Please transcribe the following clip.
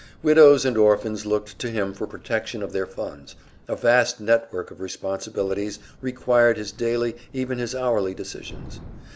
Widows and orphans looked to him for protection of their funds; a vast net work of responsibilities required his daily, even his hourly decisions.